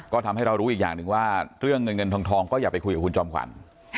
ก็ทำให้เรารู้อีกอย่างหนึ่งว่าเรื่องเงินเงินทองก็อย่าไปคุยกับคุณจอมขวัญ